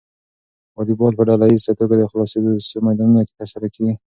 واليبال په ډله ییزه توګه په خلاصو میدانونو کې ترسره کیږي.